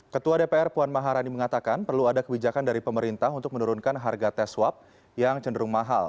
ketua dpr puan maharani mengatakan perlu ada kebijakan dari pemerintah untuk menurunkan harga tes swab yang cenderung mahal